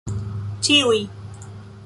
ĉiuj